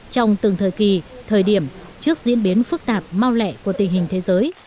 trong từng thời kỳ thời điểm trước diễn biến phức tạp mau lẹ của tình hình thế giới